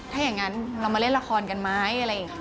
ถ้าอย่างนั้นเรามาเล่นละครกันไหมอะไรอย่างนี้